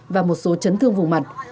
và một số chấn thương vùng mặt